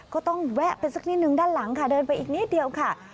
แวะไปสักนิดนึงด้านหลังค่ะเดินไปอีกนิดเดียวค่ะ